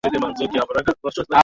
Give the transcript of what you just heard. Waliwatolea pesa